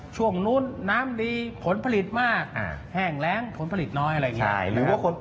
ช่วงนู้นน้ำดีผลผลิตมากแห้งแรงผลผลิตน้อยอะไรอย่างนี้